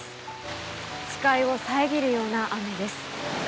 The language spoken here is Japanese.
視界を遮るような雨です。